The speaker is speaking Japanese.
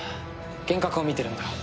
幻覚を見てるんだ。